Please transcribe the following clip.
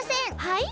はい？